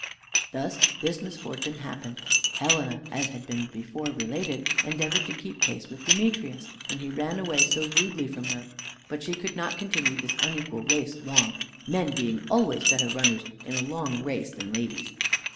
Thus this misfortune happened. Helena, as has been before related, endeavored to keep pace with Demetrius when he ran away so rudely from her; but she could not continue this unequal race long, men being always better runners in a long race than ladies.